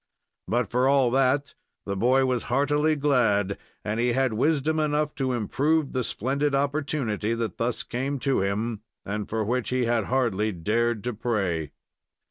But, for all that, the boy was heartily glad, and he had wisdom enough to improve the splendid opportunity that thus came to him, and for which he had hardly dared to pray.